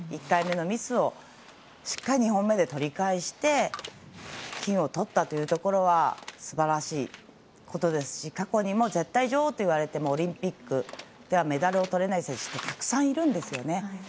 １回目のミスをしっかり２本目で取り返して金をとったというところがすばらしいところですし過去にも絶対女王といわれてもオリンピックではメダルをとれない選手ってたくさんいるんですよね。